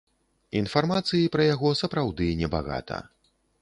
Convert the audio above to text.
Інфармацыі пра яго сапраўды небагата.